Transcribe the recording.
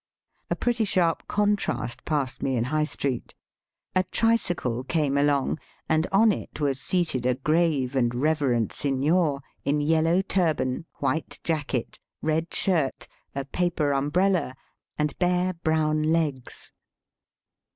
A pretty sharp contrast passed me in High Street. A tricycle came along, and on it was seated a grave and re verend signer, in yellow turban, white jacket, red shirt, a paper umbrella, and bare brown legs.